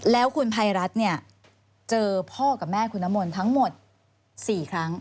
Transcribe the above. แล้วคุณภัยรัฐเนี่ยเจอพ่อกับแม่คุณน้ำมนต์ทั้งหมด๔ครั้ง